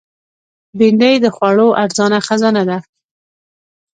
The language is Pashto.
بېنډۍ د خوړو ارزانه خزانه ده